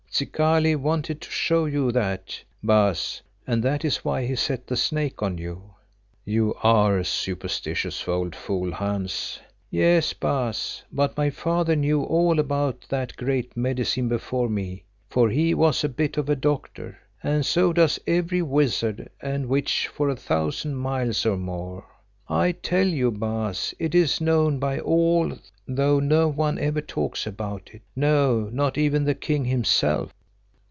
Zikali wanted to show you that, Baas, and that is why he set the snake at you." "You are a superstitious old fool, Hans." "Yes, Baas, but my father knew all about that Great Medicine before me, for he was a bit of a doctor, and so does every wizard and witch for a thousand miles or more. I tell you, Baas, it is known by all though no one ever talks about it, no, not even the king himself.